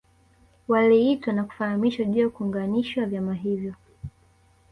Waliitwa na kufahamishwa juu ya kuunganishwa vyama hivyo